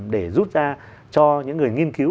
để rút ra cho những người nghiên cứu